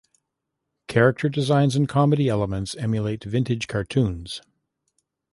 Character designs and comedy elements emulate vintage cartoons.